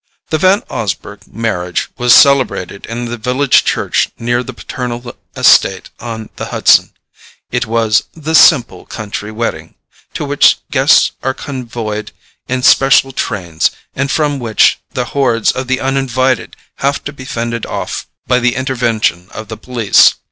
The Van Osburgh marriage was celebrated in the village church near the paternal estate on the Hudson. It was the "simple country wedding" to which guests are convoyed in special trains, and from which the hordes of the uninvited have to be fended off by the intervention of the police.